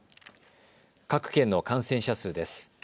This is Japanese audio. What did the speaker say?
各県の感染者数です。